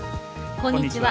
こんにちは。